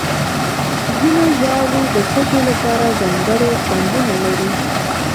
ځینې ژاولې د ښځو لپاره ځانګړي خوندونه لري.